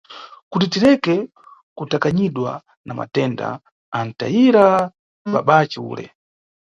Kuti tireke kutakanyidwa na matenda, anʼtayira babace ule.